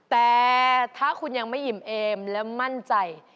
แต่ถ้าคุณยังไม่อิ่มเอมและมั่นใจ